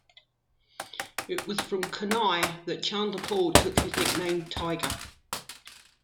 It was from Kanhai that Chanderpaul took his nickname, "Tiger".